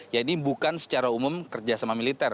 ya ini bukan secara umum kerjasama militer